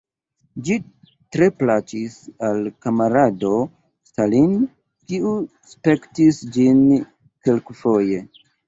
Ĝi tre plaĉis al kamarado Stalin, kiu spektis ĝin kelkfoje.